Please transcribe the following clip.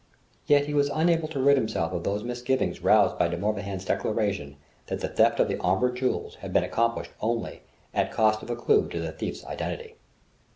Yet he was unable to rid himself of those misgivings roused by De Morbihan's declaration that the theft of the Omber jewels had been accomplished only at cost of a clue to the thief's identity.